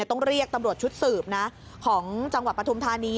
ต้องเรียกดรชุดสูบของจังหวัดประทุมธานี